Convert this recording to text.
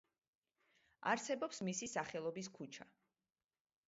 არსებობს მისი სახელობის ქუჩა.